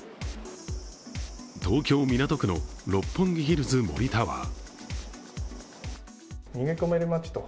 東京・港区の六本木ヒルズ森タワー。